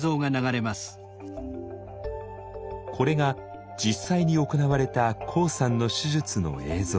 これが実際に行われたＫＯＯさんの手術の映像。